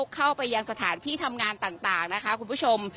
เข้าไปยังสถานที่ทำงานต่างนะคะคุณผู้ชม